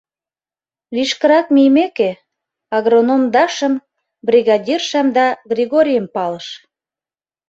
Лишкырак мийымеке, агроном Дашам, бригадиршам да Григорийым палыш.